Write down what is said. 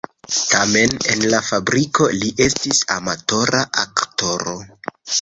Tamen en la fabriko li estis amatora aktoro.